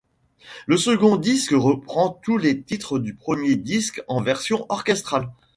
Le second disque reprend tous les titres du premier disque en version orchestrale.